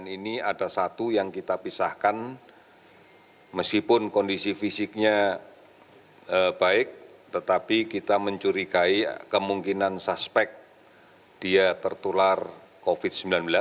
ini ada satu yang kita pisahkan meskipun kondisi fisiknya baik tetapi kita mencurigai kemungkinan suspek dia tertular covid sembilan belas